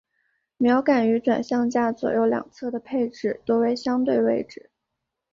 锚杆于转向架左右两侧的配置多为相对位置。